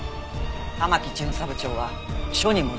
玉城巡査部長は署に戻します。